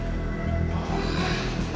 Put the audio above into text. raden telah membantuku